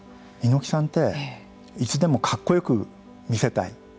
猪木さんっていつでもかっこよく見せたい。